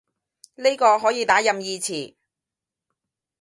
呢個可以打任意詞